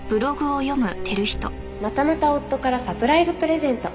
「またまた夫からサプライズプレゼント！」